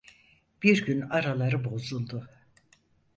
Bir gün araları bozuldu…